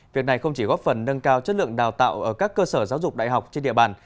việc này không chỉ góp phần nâng cao chất lượng đào tạo ở các cơ sở giáo dục đại học trên địa bàn